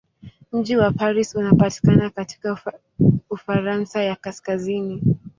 Mji wa Paris unapatikana katika Ufaransa ya kaskazini.